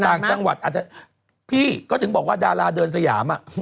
ต่างจังหวัดอาจจะพี่ก็ถึงบอกว่าดาราเดินสยามอ่ะ